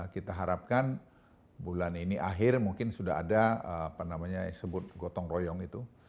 kita harapkan bulan ini akhir mungkin sudah ada apa namanya disebut gotong royong itu